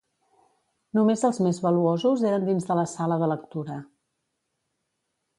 Només els més valuosos eren dins de la sala de lectura.